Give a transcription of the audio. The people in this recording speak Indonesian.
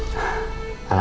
alhamdulillah lancar pak